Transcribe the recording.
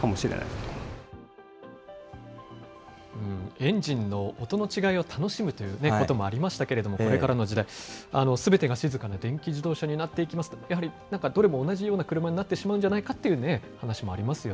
エンジンの音の違いを楽しむということもありましたけれども、これからの時代、すべてが静かな電気自動車になっていきますと、やはり、何かどれも同じような車になってしまうんじゃないかという話もありますよ